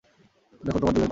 দেখো, তোমরা দুইজনই পাগল।